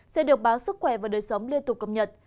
sẽ được báo sức khỏe và đời sống liên tục cập nhật